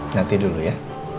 nanti dulu ya